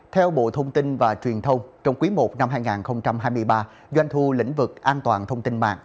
theo bộ thông tin và truyền thông trong quý i năm hai nghìn hai mươi ba doanh thu lĩnh vực an toàn thông tin mạng